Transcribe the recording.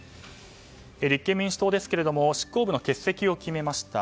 立憲民主党ですが執行部の欠席を決めました。